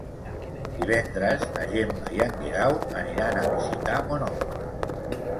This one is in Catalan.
Divendres na Gemma i en Guerau aniran a visitar mon oncle.